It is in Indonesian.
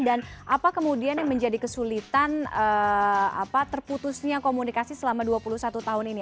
dan apa kemudian yang menjadi kesulitan terputusnya komunikasi selama dua puluh satu tahun ini